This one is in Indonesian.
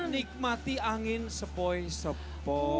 nikmati angin sepoi sepoi